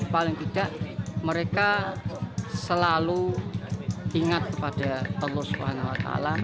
paling tidak mereka selalu ingat kepada allah swt